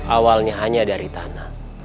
awalnya hanya dari tanah